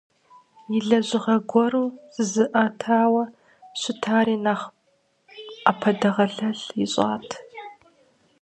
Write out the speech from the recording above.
И лэжьыгъэ уэру зызыӏэтауэ щытари нэхъ ӏэпэдэгъэлэл ищӏат.